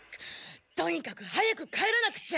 とにかく早く帰らなくちゃ。